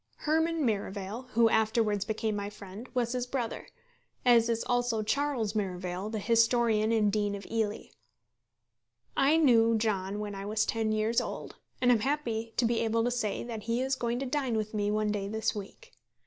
Herman Merivale, who afterwards became my friend, was his brother, as is also Charles Merivale, the historian and Dean of Ely. I knew John when I was ten years old, and am happy to be able to say that he is going to dine with me one day this week.